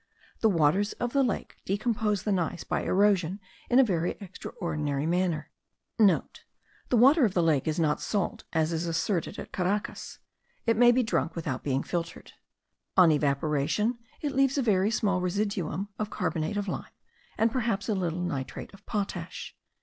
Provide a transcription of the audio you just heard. The waters of the lake* decompose the gneiss by erosion in a very extraordinary manner. (* The water of the lake is not salt, as is asserted at Caracas. It may be drunk without being filtered. On evaporation it leaves a very small residuum of carbonate of lime, and perhaps a little nitrate of potash.